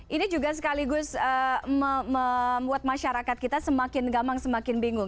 ini juga sekaligus membuat masyarakat kita semakin gamang semakin bingung